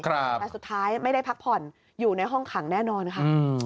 แต่สุดท้ายไม่ได้พักผ่อนอยู่ในห้องขังแน่นอนค่ะ